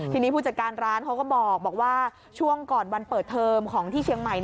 ทีนี้ผู้จัดการร้านเขาก็บอกว่าช่วงก่อนวันเปิดเทอมของที่เชียงใหม่